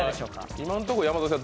今のとこ、山添さん